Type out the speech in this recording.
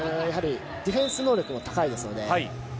ディフェンス能力が高いですので。